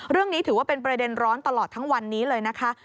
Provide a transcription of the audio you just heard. เรื่องนี้ถือว่าเป็นประเด็นร้อนตลอดทั้งวันนี้เลยนะคะ